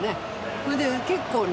それで結構ね